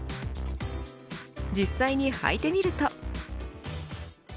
実際に履いてみると。